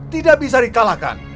tidak bisa di kalahkan